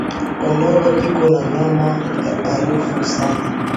Kondolo iko na nyama ya arufu sana